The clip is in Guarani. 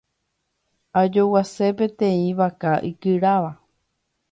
Ajoguase peteĩ vaka ikyráva.